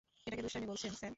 এটাকে দুষ্টামি বলছেন, স্যার?